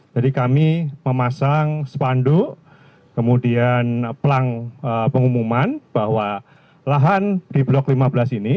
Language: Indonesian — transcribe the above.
jadi kami memasang spanduk kemudian pelang pengumuman bahwa lahan di blok lima belas ini